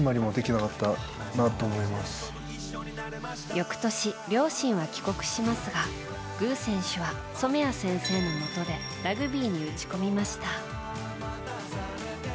翌年、両親は帰国しますがグ選手は染矢先生のもとでラグビーに打ち込みました。